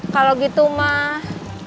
kalau gitu mak